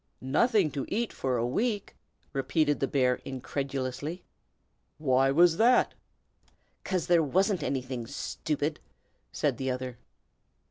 "Nothing to eat for a week!" repeated the bear, incredulously. "Why was that?" "'Cause there wasn't anything, stupid!" said the other.